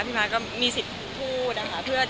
ม้าก็มีสิทธิ์พูดนะคะ